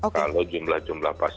kalau jumlah jumlah pasien yang dirawat